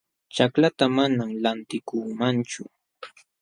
Ćhaklaata manam lantikuumanchu